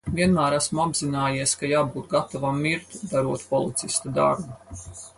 Vienmēr esmu apzinājies, ka jābūt gatavam mirt, darot policista darbu.